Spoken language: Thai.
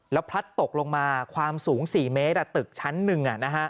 แล้วพลัดตกลงมาความสูง๔เมตรตึกชั้น๑